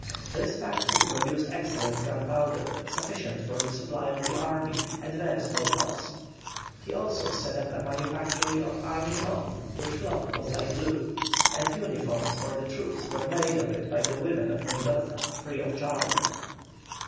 This factory produced excellent gunpowder, sufficient for the supply of the army, at very small cost. He also set up a manufactory of army cloth, which cloth was dyed blue, and uniforms for the troops were made of it by the women of Mendoza, free of charge.